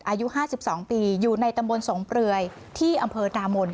อายุ๕๒ปีอยู่ในตำบลสงเปลือยที่อำเภอนามน